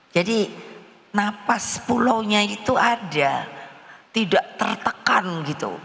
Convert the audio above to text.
jadi napas pulau nya itu ada tidak tertekan gitu